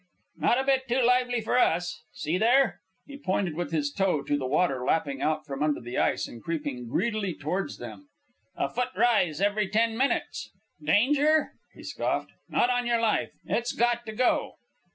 "Not a bit too lively for us. See there!" He pointed with his toe to the water lapping out from under the ice and creeping greedily towards them. "A foot rise every ten minutes." "Danger?" he scoffed. "Not on your life. It's got to go.